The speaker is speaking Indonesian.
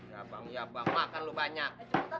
ya bang ya bang makan lu banyak